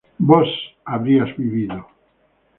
vos habrías vivido